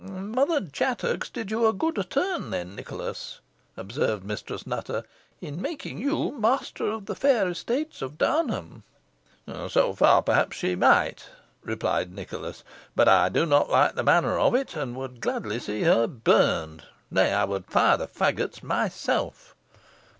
"Mother Chattox did you a good turn then, Nicholas," observed Mistress Nutter, "in making you master of the fair estates of Downham." "So far, perhaps, she might," rejoined Nicholas, "but I do not like the manner of it, and would gladly see her burned; nay, I would fire the fagots myself."